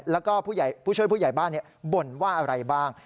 แล้วก็ผู้ช่วยผู้ใหญ่บ้านบ่นว่าอะไรบ้าง